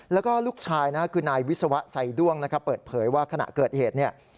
แล้วก็ลูกชายนะคือนายวิศวะไซด้วงนะครับเปิดเผยว่าขณะเกิดเหตุเนี่ย